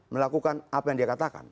melakukan apa yang dia katakan